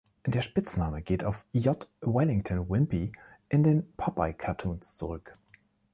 Der Spitzname geht auf J. Wellington Wimpy in den Popeye-Cartoons zurück.